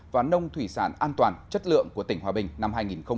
và nông thủy sản an toàn chất lượng của tỉnh hòa bình năm hai nghìn một mươi chín